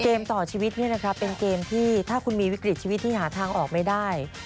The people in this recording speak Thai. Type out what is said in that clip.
เกมต่อชีวิตเป็นเกมที่ถ้าคุณมีวิกฤตชีวิตที่หาทางออกไม่ได้